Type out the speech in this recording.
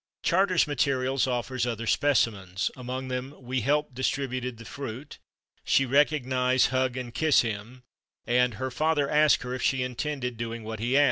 Charters' materials offers other specimens, among them "we /help/ distributed the fruit," "she /recognize/, hug, and /kiss/ him" and "her father /ask/ her if she intended doing what he /ask